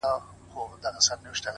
• ویل ورکه یم په کورکي د رنګونو ,